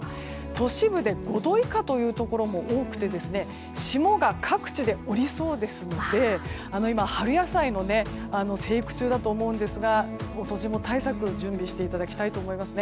都市部で５度以下というところも多くて霜が各地で降りそうですので今、春野菜の生育中だと思うんですが遅霜対策準備していただきたいと思います。